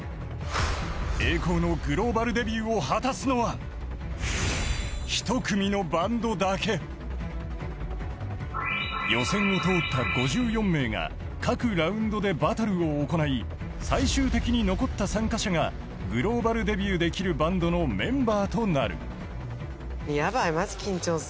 栄光のグローバルデビューを果たすのは予選を通った５４名が各ラウンドでバトルを行い最終的に残った参加者がグローバルデビューできるバンドのメンバーとなる。